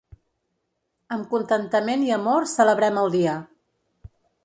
Amb contentament i amor celebrem el dia